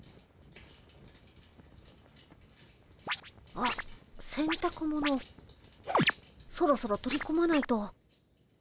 あっせんたくものそろそろ取り込まないと。